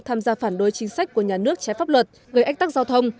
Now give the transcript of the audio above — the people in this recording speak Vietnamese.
tham gia phản đối chính sách của nhà nước trái pháp luật gây ách tắc giao thông